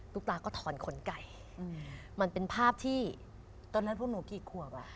ปลาก็ถอนขนไก่มันเป็นภาพที่ตอนนั้นพวกหนูกี่ขวบอ่ะ